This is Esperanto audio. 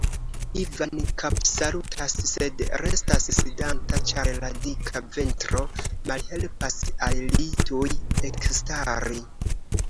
Ivan kapsalutas, sed restas sidanta, ĉar la dika ventro malhelpas al li tuj ekstari.